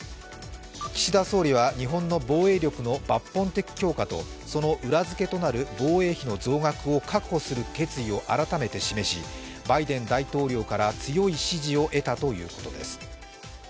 岸田総理は日本の防衛力の抜本的強化とその裏づけとなる防衛費の増額を確保する決意を改めて示し、バイデン大統領から強い支持を得たということです。